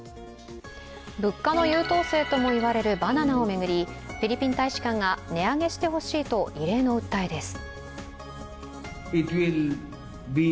物価の優等生とも言われるバナナを巡り、フィリピン大使館が値上げしてほしいと異例の訴えです。